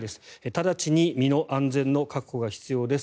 直ちに身の安全の確保が必要です。